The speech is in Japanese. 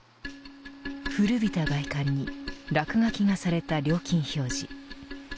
古びた外観に落書きがされた料金表示。